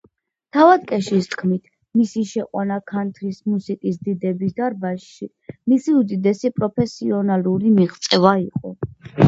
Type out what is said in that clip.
თავად კეშის თქმით, მისი შეყვანა ქანთრის მუსიკის დიდების დარბაზში მისი უდიდესი პროფესიონალური მიღწევა იყო.